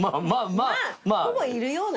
まあほぼいるような。